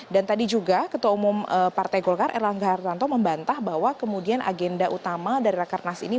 dan tadi juga ketua umum partai golkar erlangga hartanto membantah bahwa kemudian agenda utama dari rekarnas ini